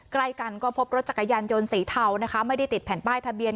ใกล้กันก็พบรถจักรยานยนต์สีเทานะคะไม่ได้ติดแผ่นป้ายทะเบียน